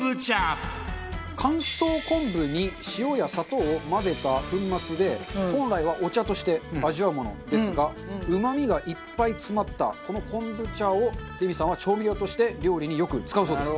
乾燥昆布に塩や砂糖を混ぜた粉末で本来はお茶として味わうものですがうまみがいっぱい詰まったこのこんぶ茶をレミさんは調味料として料理によく使うそうです。